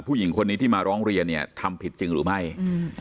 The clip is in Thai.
ผู้หญิงคนนี้ที่มาร้องเรียนเนี้ยทำผิดจริงหรือไม่อืม